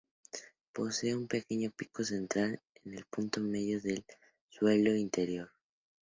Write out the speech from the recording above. Posee un pequeño pico central en el punto medio del suelo interior.